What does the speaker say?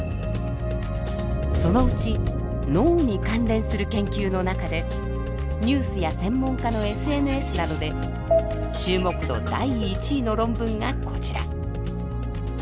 そのうち脳に関連する研究の中でニュースや専門家のＳＮＳなどで注目度第１位の論文がこちら。